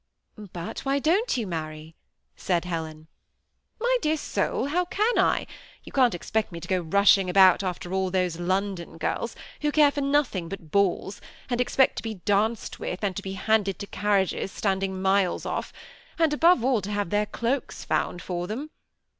" But why don't you marry ?" said Helen. " My dear soul, how can I ? you can't expect me to go rushing about after all those London girls who care for nothing but balls and expect to be danced with, and to be handed to carriages standing miles off; and, above all, to have their cloaks found for them.